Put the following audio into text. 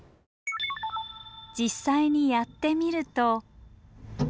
実際にやってみると。